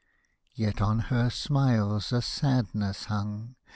Yet on her smiles a sadness hung.